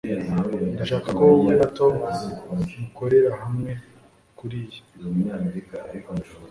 ndashaka ko wowe na tom mukorera hamwe kuriyi